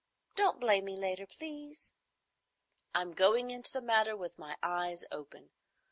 Don't blame me later, please." "I'm going into the matter with my eyes open.